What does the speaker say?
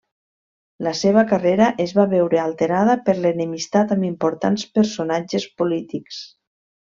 La seva carrera es va veure alterada per l'enemistat amb importants personatges polítics.